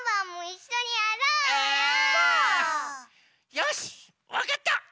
よしわかった！